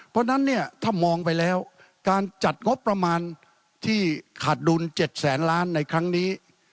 เพราะฉะนั้นเนี่ยถ้ามองไปแล้วการจัดงบประมาณที่ขาดดุล๗แสนล้านในครั้งนี้